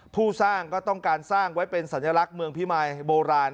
ผู้สร้างก็ต้องการสร้างไว้เป็นสัญลักษณ์เมืองพิมายโบราณ